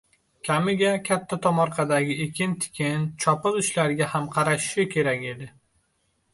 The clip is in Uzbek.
Kamiga, katta tomorqadagi ekin-tikin, chopiq ishlariga ham qarashishi kerak edi